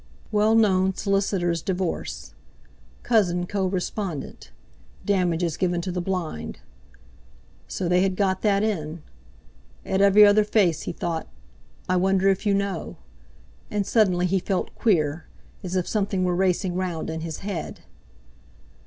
"Well known solicitor's divorce. Cousin co respondent. Damages given to the blind"—so, they had got that in! At every other face, he thought: "I wonder if you know!" And suddenly he felt queer, as if something were racing round in his head.